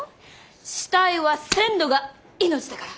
死体は鮮度が命だから。